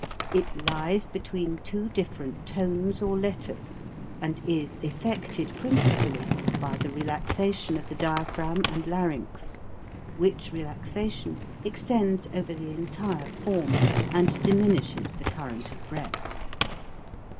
It lies between two dif ferent tones or letters and is effected principally by the relaxation of the diaphragm and larynx, which relaxation extends over the entire form and diminishes the current of breath.